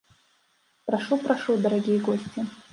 Прашу, прашу, дарагія госці.